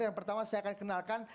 yang pertama saya akan kenalkan